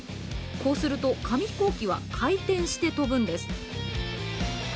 こうすると紙ヒコーキは回転して飛ぶんです。